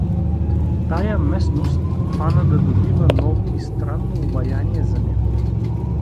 Тая местност фана да добива ново и странно обаяние за него.